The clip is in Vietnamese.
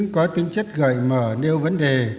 có tính chất gợi mở nêu vấn đề